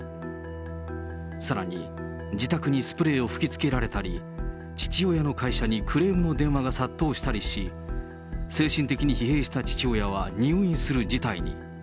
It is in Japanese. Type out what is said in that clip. さらに、自宅にスプレーを吹きつけられたり、父親の会社にクレームの電話が殺到したりし、精神的に疲弊した父親は入院する事態に。